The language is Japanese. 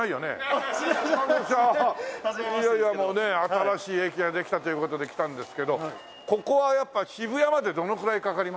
新しい駅ができたという事で来たんですけどここはやっぱ渋谷までどのくらいかかります？